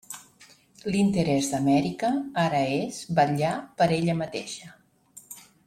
L'interès d'Amèrica ara és vetllar per ella mateixa.